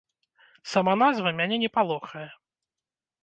Сама назва мяне не палохае.